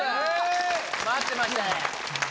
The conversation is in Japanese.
待ってました！